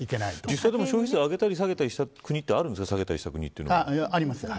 実際、消費税を上げたり下げたりした国はあるんですか。